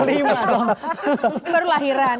ini baru lahiran